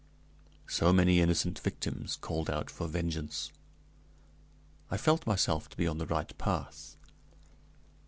So many innocent victims called out for vengeance! I felt myself to be on the right path.